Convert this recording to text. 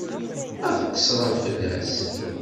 Ad qeṣṣrent fell-as.